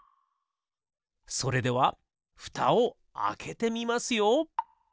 それではふたをあけてみますよ。